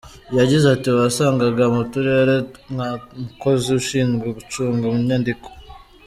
Yagize ati “Wasangaga mu turere nta mukozi ushinzwe gucunga inyandiko.